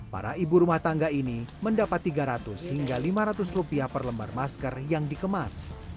para ibu rumah tangga ini mendapat tiga ratus hingga lima ratus rupiah per lembar masker yang dikemas